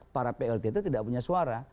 para plt itu tidak punya suara